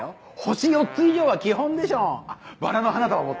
星４つ以上は基本でしょあっ